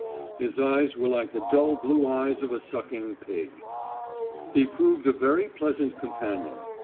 His eyes were like the dull blue eyes of a sucking pig. He proved a very pleasant companion.